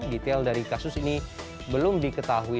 detail dari kasus ini belum diketahui